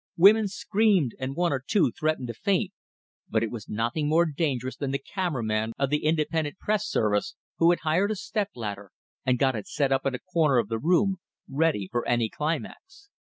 Women screamed, and one or two threatened to faint; but it was nothing more dangerous than the cameraman of the Independent Press Service, who had hired a step ladder, and got it set up in a corner of the room, ready for any climax!